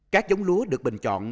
các giống lúa được bình chọn